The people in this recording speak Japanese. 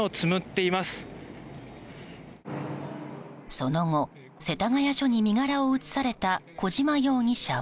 その後、世田谷署に身柄を移された小島容疑者は。